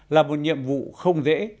là một nhiệm vụ không dễ